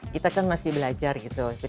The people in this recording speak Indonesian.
kita kan masih belajar gitu